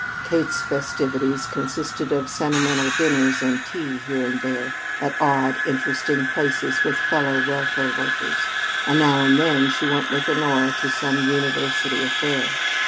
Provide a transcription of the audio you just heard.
Kate's festivities consisted of settlement dinners and tea here and there, at odd, interesting places with fellow "welfare workers"; and now and then she went with Honora to some University affair.